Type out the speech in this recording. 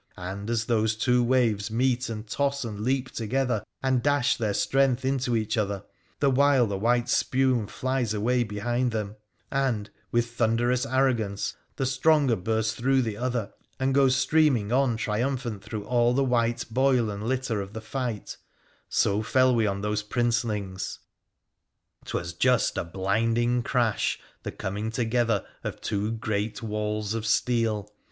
And as thos two waves meet, and toss and leap together, and dash thei strength into each other, the while the white spume flies awa behind them, and, with thunderous arrogance, the stronge bursts through the other and goes streaming on triumphal] through all the white boil and litter of the fight, so fell we o: those princelings. 'Twas just a blinding crash, the comin together of two great walls of steel